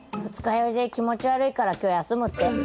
二日酔いで気持ち悪いから今日休むって。